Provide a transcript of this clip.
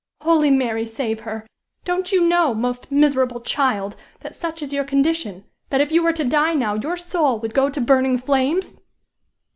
"Holy Mary save her! Don't you know, most miserable child! that such is your condition, that if you were to die now your soul would go to burning flames?"